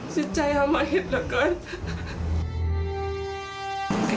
สิทธิ์ใจเอามาเห็นเหลือเกิน